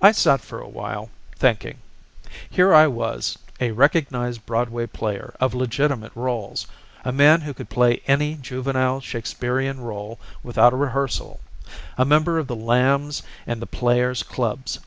"I sat for a while thinking. Here I was, a recognized Broadway player of legitimate rôles, a man who could play any juvenile Shakespearian rôle without a rehearsal, a member of The Lambs and The Players Clubs.